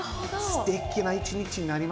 すてきな一日になりますよね。